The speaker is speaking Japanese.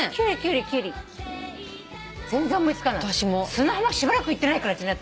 砂浜しばらく行ってないからじゃない？